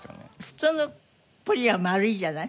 普通のプリンは丸いじゃない？